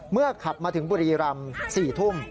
ขับมาถึงบุรีรำ๔ทุ่ม